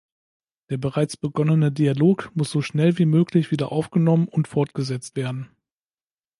Der bereits begonnene Dialog muss so schnell wie möglich wieder aufgenommen und fortgesetzt werden.